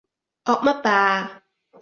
惡乜霸啊？